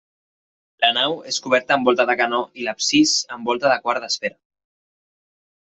La nau és coberta amb volta de canó i l'absis, amb volta de quart d'esfera.